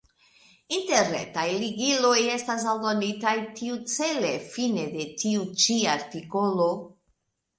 Interretaj ligiloj estas aldonitaj tiucele fine de tiu ĉi artikolo.